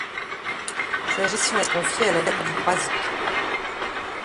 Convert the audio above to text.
Sa gestion est confiée à la Ville du Croisic.